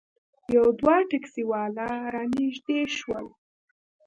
یو دوه ټیکسي والا رانږدې شول.